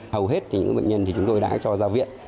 hầu hết những bệnh nhân chúng tôi đã cho ra viện